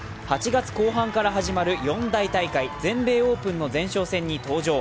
８月後半から始まる四大大会全米オープンの前哨戦に登場。